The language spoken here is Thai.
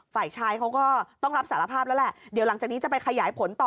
ฝ่ายชายเขาก็ต้องรับสารภาพแล้วแหละเดี๋ยวหลังจากนี้จะไปขยายผลต่อ